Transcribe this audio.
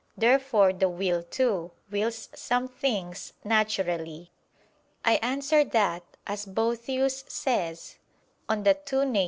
Therefore the will, too, wills some things naturally. I answer that, As Boethius says (De Duabus Nat.)